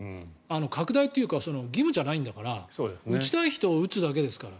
拡大というか義務じゃないんだから打ちたい人は打つだけですから。